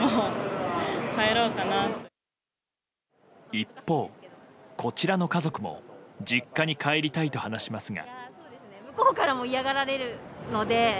一方、こちらの家族も実家に帰りたいと話しますが。